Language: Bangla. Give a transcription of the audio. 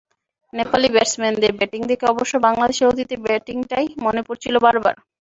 নেপালি ব্যাটসম্যানদের ব্যাটিং দেখে অবশ্য বাংলাদেশের অতীতের ব্যাটিংটাই মনে পড়ছিল বারবার।